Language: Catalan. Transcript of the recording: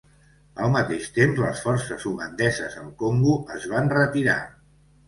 Al mateix temps les forces ugandeses al Congo es van retirar.